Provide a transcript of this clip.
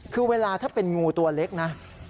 คือเวลาถ้าเป็นงูตัวเล็กนะ